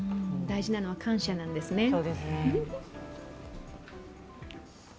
大事なのは感謝なんですね。